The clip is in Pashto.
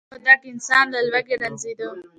په دې موده کې انسان له لوږې رنځیده.